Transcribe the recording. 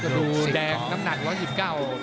ดูแดงน้ำหนัก๑๒๙